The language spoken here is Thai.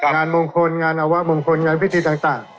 งานมงคลงานอวะมงคลงานพิธีต่าง